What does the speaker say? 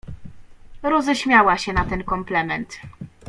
"Roześmiała się na ten komplement."